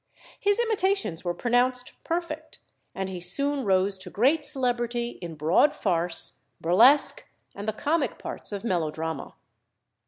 His imitations were pronounced perfect, and he soon rose to great celebrity in broad farce, burlesque, and the comic parts of melodrama.